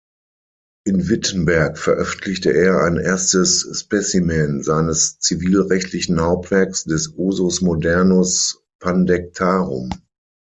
In Wittenberg veröffentlichte er ein erstes „Specimen“ seines zivilrechtlichen Hauptwerks, des „Usus modernus Pandectarum“.